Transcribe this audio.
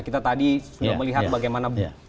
kita tadi sudah melihat bagaimana buku ini